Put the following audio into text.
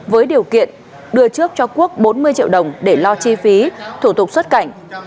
với điều kiện đưa trước cho quốc bốn mươi triệu đồng để lo chi phí thủ tục xuất cảnh